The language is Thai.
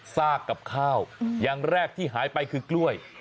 กับข้าวอย่างแรกที่หายไปคือกล้วย